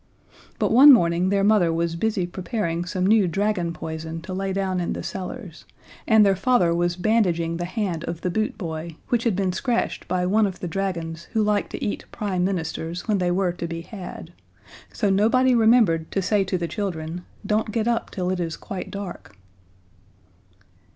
But one morning their mother was busy preparing some new dragon poison to lay down in the cellars, and their father was bandaging the hand of the boot boy, which had been scratched by one of the dragons who liked to eat Prime Ministers when they were to be had, so nobody remembered to say to the children: "Don't get up till it is quite dark!"